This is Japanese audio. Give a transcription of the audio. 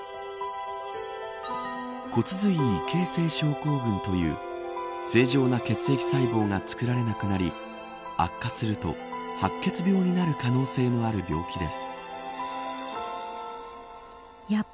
骨髄異形成症候群という正常な血液細胞が作られなくなり悪化すると白血病になる可能性のある病気です。